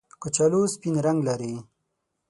کچالو سپین رنګ لري